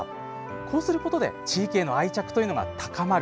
こうすることで地域への愛着が高まる。